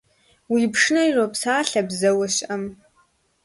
Уи пшынэр иропсалъэ бзэуэ щыӀэм.